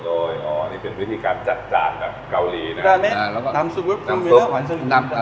โอ้ยอันนี้เป็นวิธีการจัดจานกับเกาหลีนะ